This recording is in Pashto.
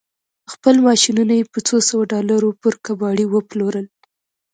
خپل ماشينونه يې په څو سوه ډالر پر کباړي وپلورل.